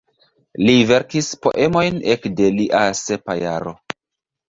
Li verkis poemojn ekde lia sepa jaro.